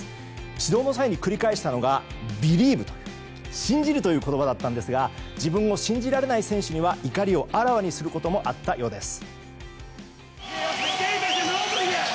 指導の際に繰り返したのがビリーブ信じるという言葉だったんですが自分を信じられない選手には怒りをあらわにすることもあったようです。